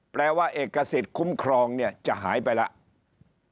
แปลว่าเอกสิทธิ์คุ้มครองเนี่ยจะหายไปแล้ว